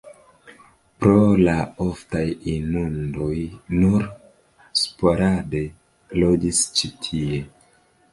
Pro la oftaj inundoj nur sporade loĝis ĉi tie.